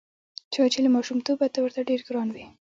چا چې له ماشومتوبه ته ورته ډېر ګران وې.